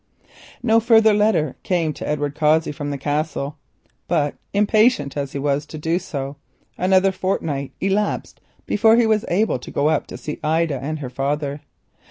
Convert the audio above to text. No further letter came to Edward Cossey from the Castle, but, impatient as he was to do so, another fortnight elapsed before he was able to see Ida and her father.